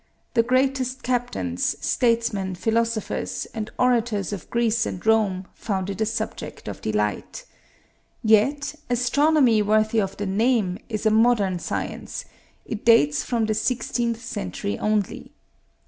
The greatest captains, statesmen, philosophers, and orators of Greece and Rome found it a subject of delight. Yet astronomy worthy of the name is a modern science: it dates from the sixteenth century only.